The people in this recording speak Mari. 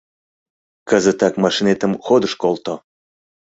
Кызытак машинетым ходыш колто!